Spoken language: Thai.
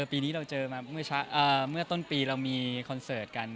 ปีนี้เราเจอมาเมื่อต้นปีเรามีคอนเสิร์ตกัน